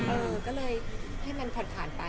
เออก็เลยให้มันผ่านไป